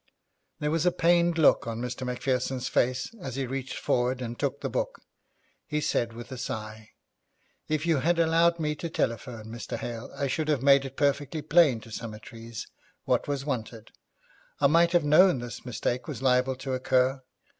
There was a pained look on Mr. Macpherson's face as he reached forward and took the book. He said with a sigh, 'If you had allowed me to telephone, Mr. Hale, I should have made it perfectly plain to Summertrees what was wanted. I might have known this mistake was liable to occur.